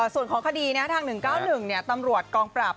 ส่วนของคดีทาง๑๙๑ตำรวจกองปราบ